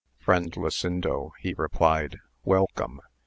Friend Lasindo ! he replied, welcome